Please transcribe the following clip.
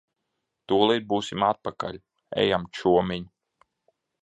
Tūlīt būsim atpakaļ. Ejam, čomiņ.